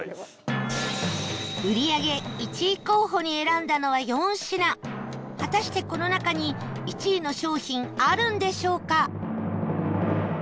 売り上げ１位候補に選んだのは４品果たして、この中に１位の商品あるんでしょうか？